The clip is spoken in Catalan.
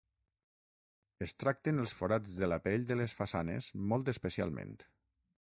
Es tracten els forats de la pell de les façanes molt especialment.